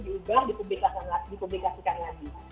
diubah dipublikasikan lagi